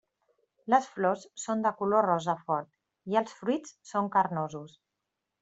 Les flors són de color rosa fort i els fruits són carnosos.